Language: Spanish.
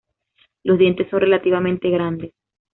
Los dientes son relativamente grandes.